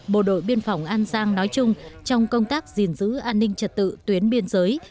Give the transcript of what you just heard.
bộ đội biên phòng an giang nói chung trong công tác gìn giữ an ninh trật tự tuyến biên giới